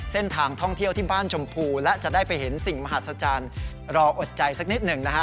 เส้นทางท่องเที่ยวที่บ้านชมพูและจะได้ไปเห็นสิ่งมหัศจรรย์รออดใจสักนิดหนึ่งนะฮะ